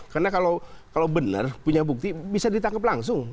karena kalau benar punya bukti bisa ditangkap langsung